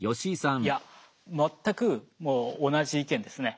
いや全くもう同じ意見ですね。